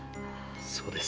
そうです。